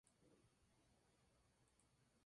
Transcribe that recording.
Dirigió la Escuela Municipal de Fútbol de Santander.